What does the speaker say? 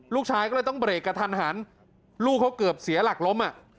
ลูกชายก็เลยต้องเบรกกระทันหันลูกเขาเกือบเสียหลักล้มอ่ะ